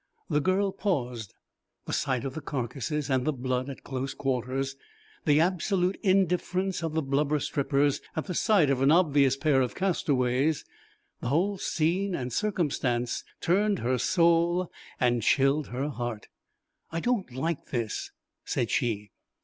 The girl paused. The sight of the carcases and the blood at close quarters, the absolute indifference of the blubber strippers at the sight of an obvious pair of castaways, the whole scene and circumstance turned her soul and chilled her heart. "I don't like this," said she.